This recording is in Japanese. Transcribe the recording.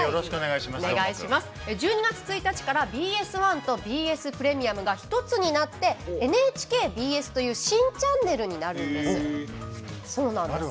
１２月１日からＢＳ１とＢＳプレミアムが１つになってＮＨＫＢＳという新チャンネルになるんです。